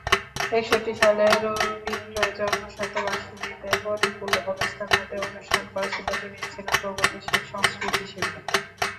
একষট্টি সালে রবীন্দ্রজন্মশতবার্ষিকীতে প্রতিকূল অবস্থার মধ্যেই অনুষ্ঠান করার সিদ্ধান্ত নিয়েছিল প্রগতিশীল সংস্কৃতিসেবীরা।